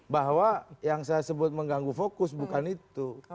bahwa yang saya sebut mengganggu fokus bukan itu